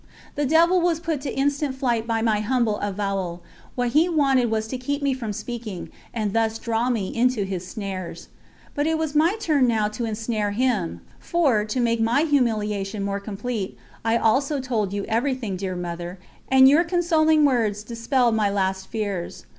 The devil was put to instant flight by my humble avowal; what he wanted was to keep me from speaking, and thus draw me into his snares. But it was my turn now to ensnare him, for, to make my humiliation more complete, I also told you everything, dear Mother, and your consoling words dispelled my last fears.